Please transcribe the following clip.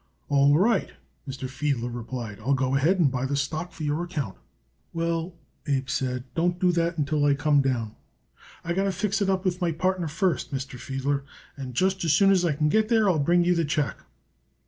"All right," Mr. Fiedler replied. "I'll go ahead and buy the stock for your account." "Well," Abe said, "don't do that until I come down. I got to fix it up with my partner first, Mr. Fiedler, and just as soon as I can get there I'll bring you the check."